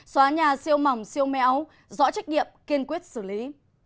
xóa nhà siêu mỏng siêu méo rõ trách nhiệm kiên quyết xử lý